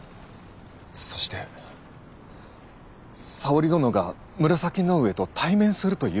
そして沙織殿が紫の上と対面するというのだ。